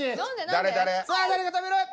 さあ誰が食べる？